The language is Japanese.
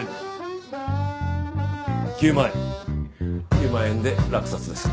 ９万円で落札です。